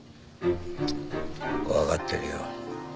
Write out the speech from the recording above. わかってるよ。